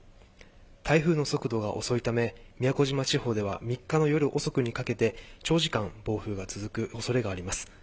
台風の速度が遅いため宮古島地方では３日の夜遅くにかけて長時間暴風が続く恐れがあります。